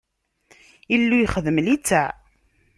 Illu yexdem litteɛ.